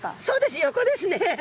そうです横ですね。